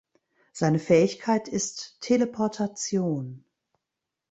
Seine Fähigkeit ist Teleportation.